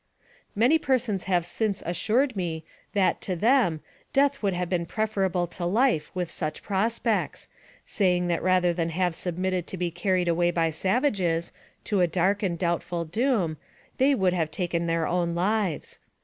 Many persons have since assured me that, to them, death would have been preferable to life with such prospects, saying that rather than have submitted to be carried away by savages, to a dark and doubtful doom, they would have taken their own lives.